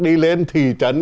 đi lên thị trấn